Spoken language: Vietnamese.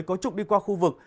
có chục đi qua khu vực